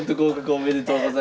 おめでとうございます。